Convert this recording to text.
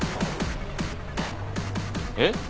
えっ？